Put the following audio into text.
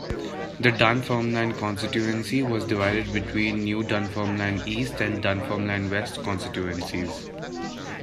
The Dunfermline constituency was divided between new Dunfermline East and Dunfermline West constituencies.